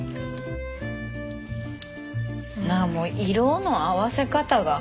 もう色の合わせ方が。